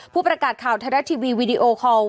ผู้ประกาศข่าวไทยรัฐทีวีวีดีโอคอล